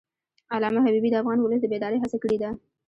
علامه حبیبي د افغان ولس د بیدارۍ هڅه کړې ده.